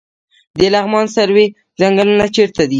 د لغمان سروې ځنګلونه چیرته دي؟